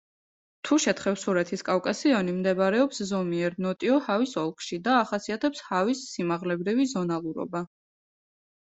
თუშეთ-ხევსურეთის კავკასიონი მდებარეობს ზომიერ ნოტიო ჰავის ოლქში და ახასიათებს ჰავის სიმაღლებრივი ზონალურობა.